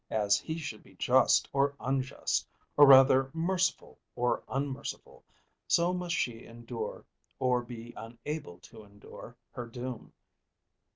As he should be just or unjust, or rather merciful or unmerciful, so must she endure or be unable to endure her doom.